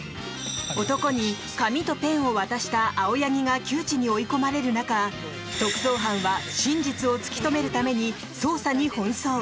男に紙とペンを渡した青柳が窮地に追い込まれる中特捜班は真実を突き止めるために捜査に奔走。